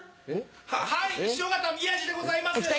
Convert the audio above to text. はい師匠方宮治でございます。